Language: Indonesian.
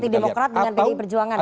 seperti demokrat dengan pd perjuangan ya